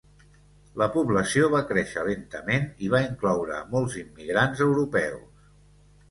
La població va créixer lentament i va incloure a molts immigrants europeus.